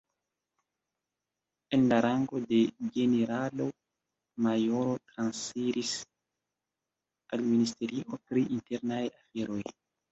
En la rango de generalo-majoro transiris al Ministerio pri Internaj Aferoj.